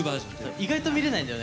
意外と見れないんだよね